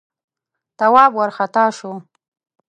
تواب وارخطا شو: